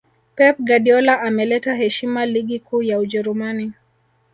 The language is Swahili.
pep guardiola ameleta heshima ligi kuu ya ujerumani